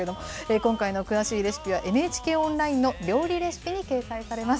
今回の詳しいレシピはＮＨＫオンラインの料理レシピに掲載されます。